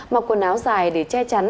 mặc quần áo dài để che chắn